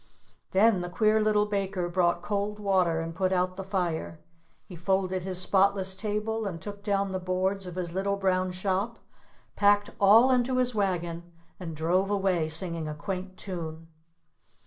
Then the Queer Little Baker brought cold water and put out the fire. He folded his spotless table, and took down the boards of his little brown shop, packed all into his wagon, and drove away singing a quaint tune.